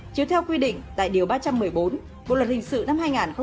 chiếu theo quy định tại điều ba trăm một mươi bốn bộ luật hình sự năm hai nghìn một mươi năm